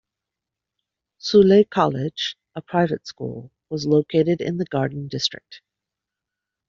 Soulé College, a private school, was located in the Garden District.